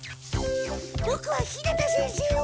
ボクは日向先生を。